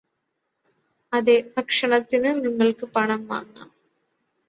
അതെഭക്ഷണത്തിന് നിങ്ങൾക്ക് പണം വാങ്ങാം